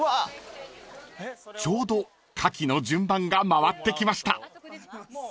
［ちょうど牡蠣の順番が回ってきました］